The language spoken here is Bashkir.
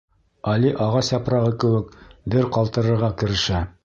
Али ағас япрағы кеүек дер ҡалтырарға керешә.